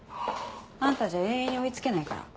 あんたじゃ永遠に追い付けないから。